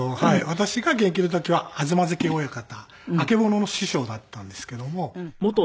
私が現役の時は東関親方曙の師匠だったんですけども。